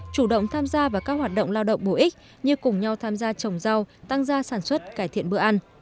chủ động tham gia vào các hoạt động lao động bổ ích như cùng nhau tham gia trồng rau tăng gia sản xuất cải thiện bữa ăn